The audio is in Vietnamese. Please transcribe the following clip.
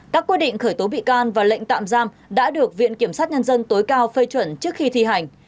các quy định khởi tố bị can và lệnh tạm giam đã được viện kiểm sát nhân dân tối cao phê chuẩn trước khi thi hành